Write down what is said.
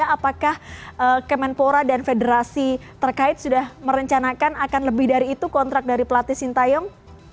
apakah kemenpora dan federasi terkait sudah merencanakan akan lebih dari itu kontrak dari pelatih sintayong